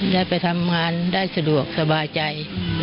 ได้ไปทำงานได้สะดวกสบายใจ